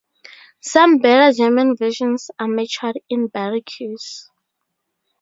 Some better German versions are matured in barriques.